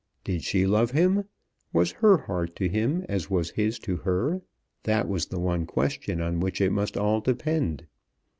Did she love him? Was her heart to him as was his to her? That was the one question on which it must all depend.